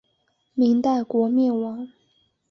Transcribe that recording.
明代国灭亡。